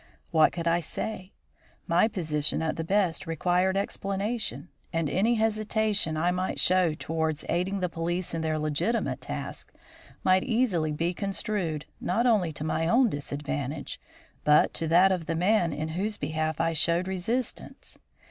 What could I say? My position at the best required explanation, and any hesitation I might show towards aiding the police in their legitimate task, might easily be construed not only to my own disadvantage, but to that of the man in whose behalf I showed resistance.